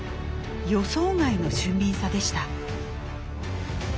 予想外の俊敏さでした。